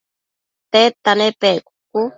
tedta nepec?cucu